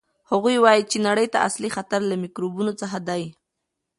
هغوی وایي چې نړۍ ته اصلي خطر له میکروبونو څخه دی.